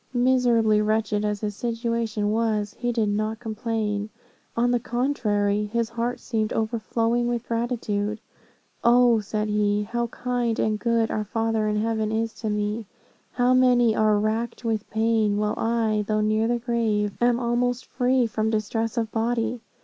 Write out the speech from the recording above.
Miserably wretched as his situation was, he did not complain; on the contrary, his heart seemed overflowing with gratitude. 'O,' said he, 'how kind and good our Father in heaven is to me; how many are racked with pain, while I, though near the grave, am almost free from distress of body.